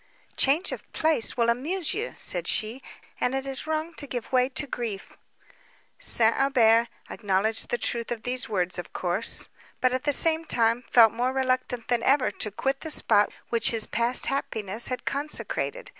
"Change of place will amuse you," said she, "and it is wrong to give way to grief." St. Aubert acknowledged the truth of these words of course; but, at the same time, felt more reluctant than ever to quit the spot which his past happiness had consecrated.